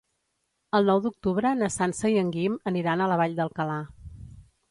El nou d'octubre na Sança i en Guim aniran a la Vall d'Alcalà.